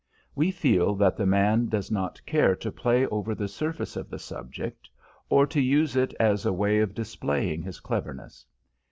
We feel that the man does not care to play over the surface of the subject, or to use it as a way of displaying his cleverness.